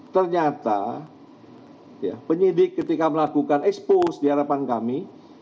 ternyata penyidik ketika melakukan expose di hadapan kami